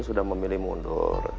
sudah memilih mundur